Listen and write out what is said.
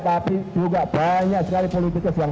tapi juga banyak sekali politikus yang